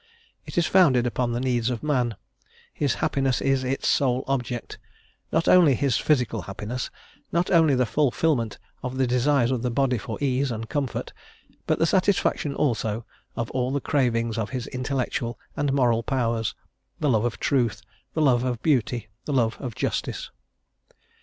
It is founded upon the needs of man; his happiness is its sole object; not only his physical happiness, not only the fulfilment of the desires of the body for ease and comfort, but the satisfaction also of all the cravings of his intellectual and moral powers, the love of truth, the love of beauty, the love of justice.